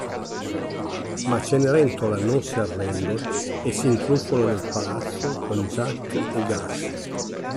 Ma Cenerentola non si arrende e si intrufola nel palazzo con Giac e Gas.